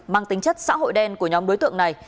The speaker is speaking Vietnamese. mang tính chất xã hội đen của nhóm đối tượng này